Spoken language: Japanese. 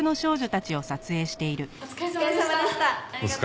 お疲れさまでした。